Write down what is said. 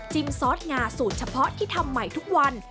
ซอสงาสูตรเฉพาะที่ทำใหม่ทุกวัน